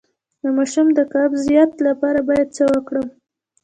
د ماشوم د قبضیت لپاره باید څه وکړم؟